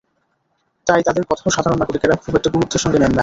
তাই তঁাদের কথাও সাধারণ নাগরিকেরা খুব একটা গুরুত্বের সঙ্গে নেন না।